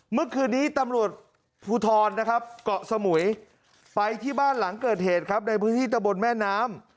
เมื่อคืนนี้ตำรวจภูทรนะครับเกาะสมุยไปที่บ้านหลังเกิดเหตุครับในพื้นที่ตะบนแม่น้ำ